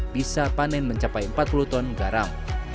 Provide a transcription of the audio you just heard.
bisa panen mencapai empat puluh ton garam